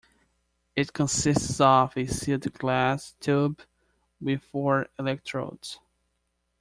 It consists of a sealed glass tube with four electrodes.